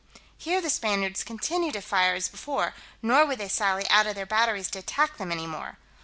Here the Spaniards continued to fire as before, nor would they sally out of their batteries to attack them any more.